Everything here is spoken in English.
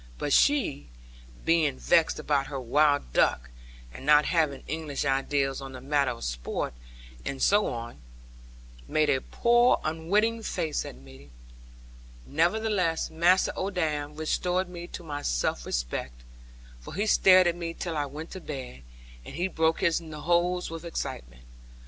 But she (being vexed about her wild duck, and not having English ideas on the matter of sport, and so on) made a poor unwitting face at me. Nevertheless Master Odam restored me to my self respect; for he stared at me till I went to bed; and he broke his hose with excitement.